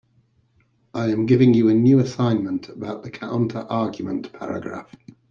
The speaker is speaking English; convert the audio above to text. I am giving you a new assignment about the counterargument paragraph.